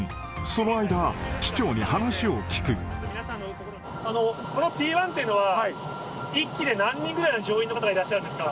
その間、このＰー１というのは、１機で何人ぐらいの乗員の方いらっしゃるんですか？